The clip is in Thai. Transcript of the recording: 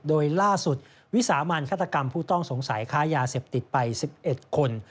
โดยล่าสุดวิสามันฆาตกรรมผู้ต้องสงสัยค้ายาเสพติดไป๑๑คน